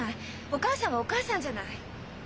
お母さんはお母さんじゃない！